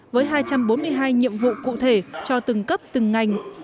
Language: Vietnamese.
với hai trăm bốn mươi hai nhiệm vụ cụ thể cho từng cấp từng ngành